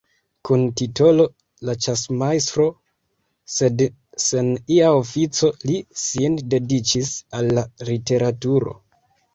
Kun titolo de ĉasmajstro, sed sen ia ofico, li sin dediĉis al la literaturo.